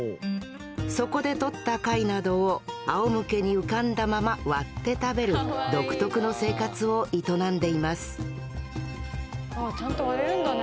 そこでとった貝などをあおむけに浮かんだまま割って食べる独特の生活を営んでいますああちゃんと割れるんだね！